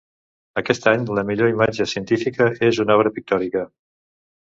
Aquest any la millor imatge científica és una obra pictòrica.